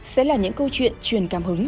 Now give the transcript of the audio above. sẽ là những câu chuyện truyền cảm hứng